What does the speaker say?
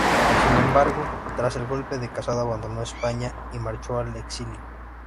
Sin embargo, tras el golpe de Casado abandonó España y marchó al exilio.